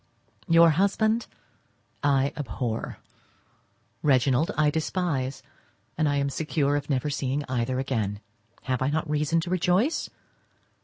Your husband I abhor, Reginald I despise, and I am secure of never seeing either again. Have I not reason to rejoice?